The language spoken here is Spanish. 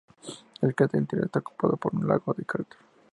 El cráter interior está ocupado por un lago de cráter.